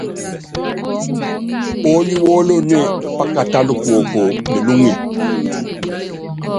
Oólí wólonée, pákatála kuoko melúŋe.